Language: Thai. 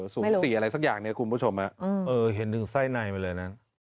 สูง๔อะไรสักอย่างเนี่ยคุณผู้ชมเห็นหนึ่งไส้ในไปเลยนะ